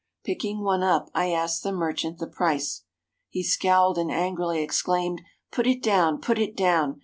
Picking one up, I asked the merchant the price. He scowled and angrily exclaimed: "Put it down! Put it down